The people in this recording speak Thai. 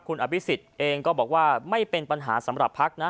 คุณอภิษฎเองก็บอกว่าไม่เป็นปัญหาสำหรับพักนะ